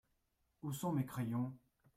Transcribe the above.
Où sont mes crayons ?